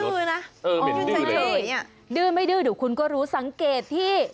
ื้อนะดื้อไม่ดื้อเดี๋ยวคุณก็รู้สังเกตที่